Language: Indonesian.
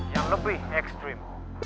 yang lebih ekstrim